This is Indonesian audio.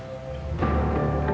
ya ada yang aneh